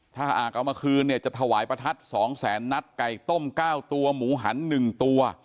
ถ้าหากเอามาคืนเนี่ยจะถวายประทัด๒แสนนัดไก่ต้ม๙ตัวหมูหัน๑ตัว